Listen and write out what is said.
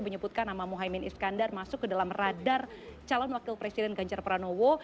menyebutkan nama muhaymin iskandar masuk ke dalam radar calon wakil presiden ganjar pranowo